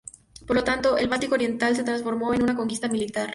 Por lo tanto, el Báltico oriental se transformó en una conquista militar.